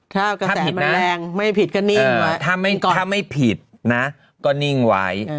ถ้าผิดแรงไม่ผิดก็นิ่งไว้ถ้าไม่ผิดนะก็นิ่งไว้